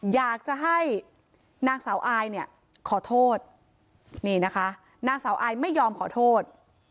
อยากจะให้นางสาวอายเนี่ยขอโทษนี่นะคะนางสาวอายไม่ยอมขอโทษ